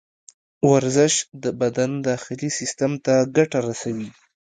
ورزش د بدن داخلي سیستم ته ګټه رسوي.